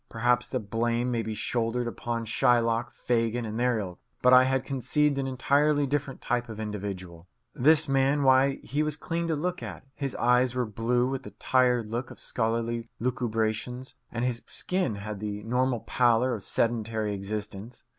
Perhaps the blame may be shouldered upon Shylock, Fagin, and their ilk; but I had conceived an entirely different type of individual. This man why, he was clean to look at, his eyes were blue, with the tired look of scholarly lucubrations, and his skin had the normal pallor of sedentary existence.